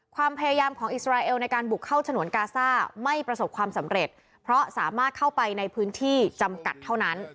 ความพยายามของอิสราเอลในการบุกเข้าฉนวนกาซ่าไม่ประสบความสำเร็จเพราะสามารถเข้าไปในพื้นที่จำกัดเท่านั้น